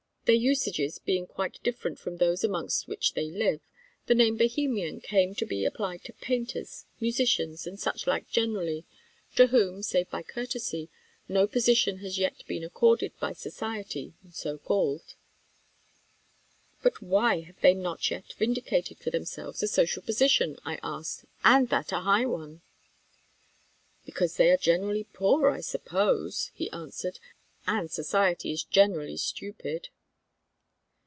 Their usages being quite different from those amongst which they live, the name Bohemian came to be applied to painters, musicians, and such like generally, to whom, save by courtesy, no position has yet been accorded by society so called." "But why have they not yet vindicated for themselves a social position," I asked, "and that a high one?" "Because they are generally poor, I suppose," he answered; "and society is generally stupid."